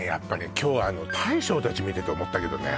今日あの大将たち見てて思ったけどね